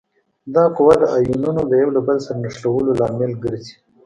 دا قوه د آیونونو د یو له بل سره نښلولو لامل ګرځي.